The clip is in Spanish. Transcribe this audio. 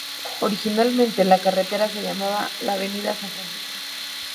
Originalmente la carretera se llamaba la Avenida San Francisco.